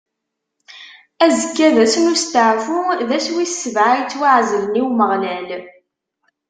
Azekka d ass n usteɛfu, d ass wis sebɛa yettwaɛezlen i Umeɣlal.